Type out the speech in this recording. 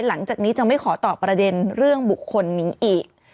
หลังจากนี้จะไม่ขอตอบประเด็นเรื่องบุคคลนี้อีก